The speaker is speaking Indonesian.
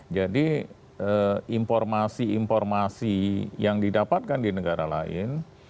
jadi informasi informasi yang didapatkan di negara lain